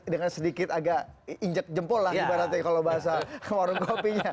dengan sedikit agak injek jempol lah ibaratnya kalau bahasa warung kopinya